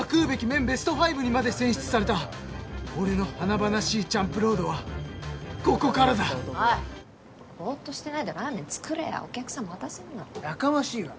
麺ベスト５」にまで選出された俺の華々しいチャンプロードはここからだおいボーッとしてないでラーメン作れよお客さん待たせんなやかましいわ